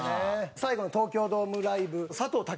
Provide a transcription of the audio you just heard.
最後の東京ドームライブ佐藤健